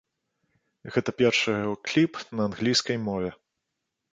Гэта першы яго кліп на англійскай мове.